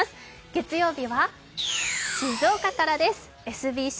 月曜日は静岡からです。